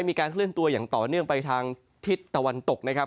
มีการเคลื่อนตัวอย่างต่อเนื่องไปทางทิศตะวันตกนะครับ